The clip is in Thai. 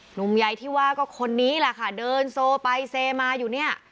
หนุ่มใหญ่ที่ว่าก็คนนี้แหละค่ะเดินโซไปเซมาอยู่เนี่ย